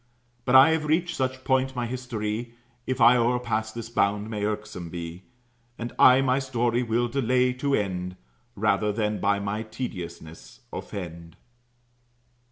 But I have reached such point, my history, If I o'erpass this bound, may irksome be. And I my story will delay to end Rather than by my tediousness offend.